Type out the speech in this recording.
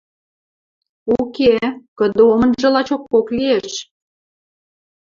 — Уке, кыды омынжы лачокок лиэш.